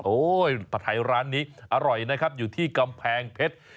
ผัดไทยร้านนี้อร่อยนะครับอยู่ที่กำแพงเพชร